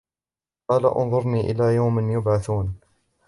قال أنظرني إلى يوم يبعثون